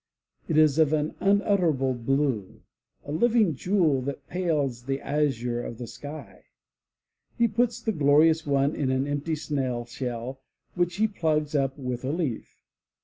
It is of an unutterable blue, a living jewel that pales the azure of the sky. He puts the glorious one in an empty snail shell which he plugs up with a leaf.